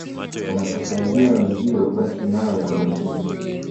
Unaposaidia wenzio basi nawe utabarikiwa.